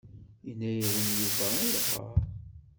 Yenna-yawen Yuba ayɣer?